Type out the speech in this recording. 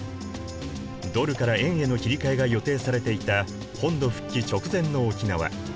ドルから円への切り替えが予定されていた本土復帰直前の沖縄。